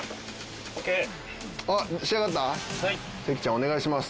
お願いします。